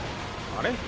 あれ？